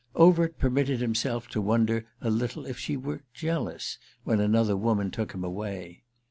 Overt permitted himself to wonder a little if she were jealous when another woman took him away.